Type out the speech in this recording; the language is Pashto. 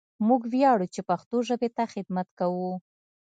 موږ وياړو چې پښتو ژبې ته خدمت کوو!